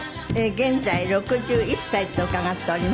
現在６１歳と伺っておりますが。